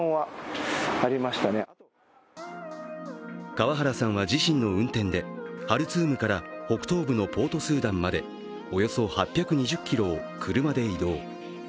川原さんは自身の運転で、ハルツームから北東部のポートスーダンまでおよそ８２０ｋｍを車で移動。